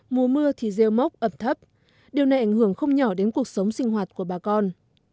mùa mưa thì rêu mốc ẩm thấp điều này ảnh hưởng không nhỏ đến cuộc sống sinh hoạt của bà con